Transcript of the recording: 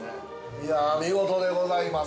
いや、見事でございます。